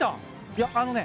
いやあのね